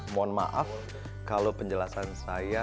mohon maaf kalau penjelasan saya